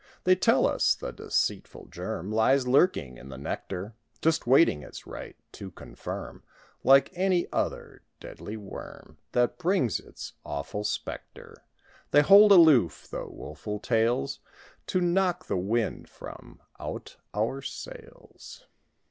They tell us the deceitful germ Lies lurking in the nectar; Just waiting its right to confirm, Like any other deadly worm, That brings its awful spectre. They hold aloof the woeful tales To knock the wind from out our sails.